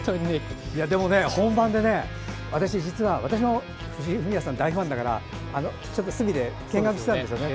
でも、本番で私も藤井フミヤさんの大ファンだから隅で見学してたんですよ。